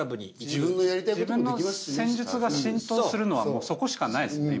自分の戦術が浸透するのはそこしかないですよね